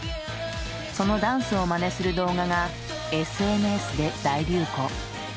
そのダンスをまねする動画がＳＮＳで大流行。